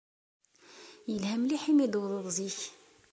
Yelha mliḥ imi ay d-tewwḍed zik.